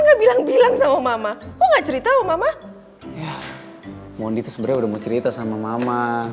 nggak bilang bilang sama mama nggak cerita mama ya mondi itu sebenarnya mau cerita sama mama